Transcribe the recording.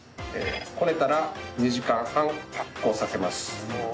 こねたら２時間半発酵させます。